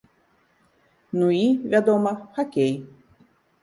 Ну і, вядома, хакей.